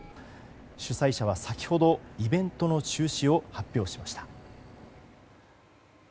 主催者は先ほどイベントの中止を発表しました。